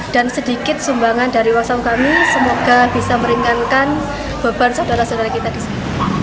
dan sedikit sumbangan dari waspada kami semoga bisa meringankan beban saudara saudara kita di sini